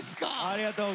ありがとう！